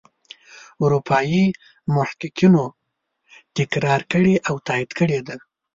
اروپايي محققینو تکرار کړي او تایید کړي دي.